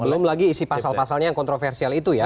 belum lagi isi pasal pasalnya yang kontroversial itu ya